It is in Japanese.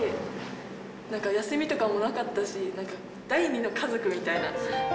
なんか休みとかもなかったし、なんか、第２の家族みたいな。